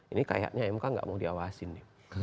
ini kayaknya mk tidak mau diawasin